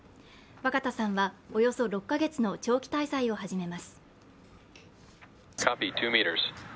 若田さんはおよそ６か月の長期滞在を始めます。